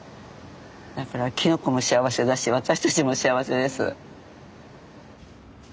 だからきのこも幸せだし私たちも幸せです。